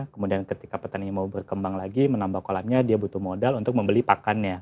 kemudian ketika petani mau berkembang lagi menambah kolamnya dia butuh modal untuk membeli pakannya